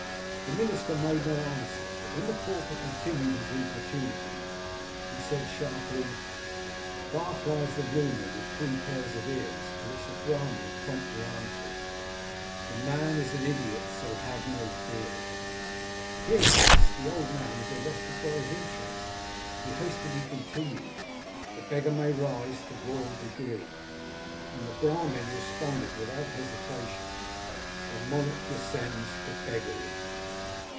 The minister made no answer ; but when the pauper continued his importunities, he said, sharply, —* Far flies rumour with three pairs of ears '; to which the Brahmin promptly answered —* The man is an idiot, so have no fears.' " Hearing this, the old man was arrested by his interest He hastily continued —* The beggar may rise to royal degree '; and the Brahmin responded without hesitation —* The monarch descend to beggary.'